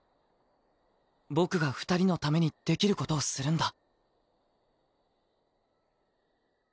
僕が二人のためにできることをするんだ。